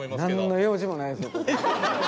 何の用事もないです。